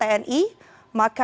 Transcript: maka nanti ya kita akan mengucapkan